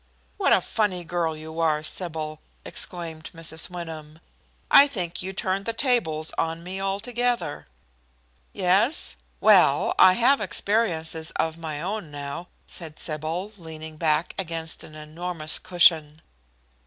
"What a funny girl you are, Sybil!" exclaimed Mrs. Wyndham. "I think you turn the tables on me altogether." "Yes? Well, I have experiences of my own now," said Sybil, leaning back against an enormous cushion.